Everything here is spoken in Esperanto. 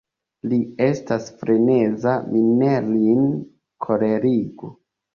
Li estas freneza; mi ne lin kolerigu.